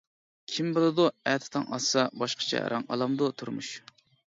كىم بىلىدۇ ئەتە تاڭ ئاتسا، باشقىچە رەڭ ئالامدۇ تۇرمۇش.